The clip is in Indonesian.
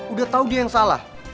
udah tahu dia yang salah